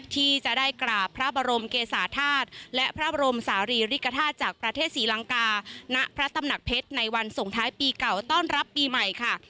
ที่จะได้กราบพระบรมเกษาธาตุและพระบรมศาลีริกฐาตุจากประเทศศรีลังกาณพระตำหนักเพชรในวันส่งท้ายปีเก่าต้อนรับปีใหม่ค่ะ